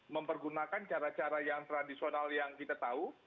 mempergunakan cara cara yang tradisional yang kita tahu